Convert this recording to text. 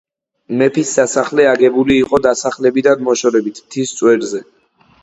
მეფის სასახლე აგებული იყო დასახლებიდან მოშორებით, მთის წვერზე.